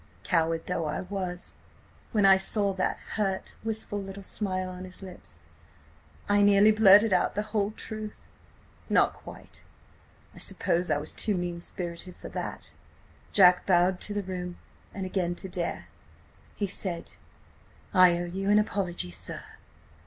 Coward though I was, when I saw that hurt, wistful little smile on his lips, I nearly blurted out the whole truth. Not quite. ... I suppose I was too mean spirited for that. "Jack bowed to the room and again to Dare. He said: 'I owe you an apology, sir.'